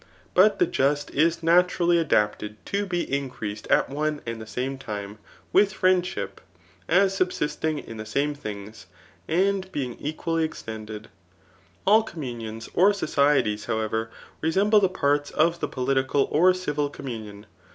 But the just isiiattiraltf adaf^ted to be increased at one and the same time with friendship, as subsisting in the same things, and being equally extend ed. All communions or sociedes, however, resemble the parts of the political or civil communion.